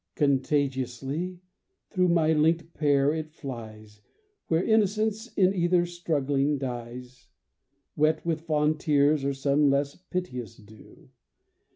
Contagiously through my linked pair it flies Where innocence in either, struggling, dies, Wet with fond tears or some less piteous dew.